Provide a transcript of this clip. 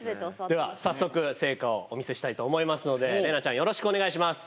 では早速成果をお見せしたいと思いますのでれいなちゃんよろしくお願いします。